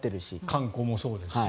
観光もそうですし。